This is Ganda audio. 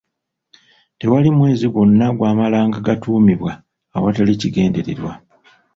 Tewali mwezi gwonna gwamalanga gatuumibwa awatali kigendererwa.